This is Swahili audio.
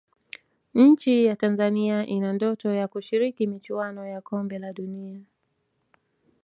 nchi ya Tanzania ina ndoto ya kushiriki michuano ya kombe la dunia